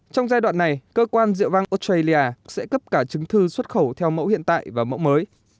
trong giai đoạn này cơ quan rượu vang australia sẽ cấp cả chứng thư xuất khẩu theo mẫu hiện tại và mẫu mới